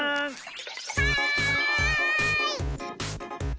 はい！